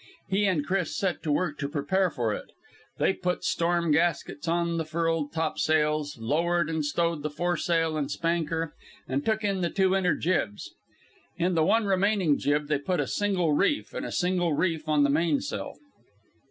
He and Chris set to work to prepare for it. They put storm gaskets on the furled topsails, lowered and stowed the foresail and spanker and took in the two inner jibs. In the one remaining jib they put a single reef, and a single reef in the mainsail.